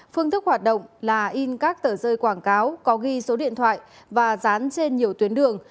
phương thức hoạt động là in các tờ rơi quảng cáo có ghi số điện thoại và dán trên nhiều tuyến đường